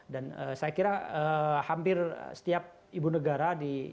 dan saya kira hampir setiap ibu negara